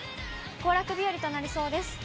行楽日和となりそうです。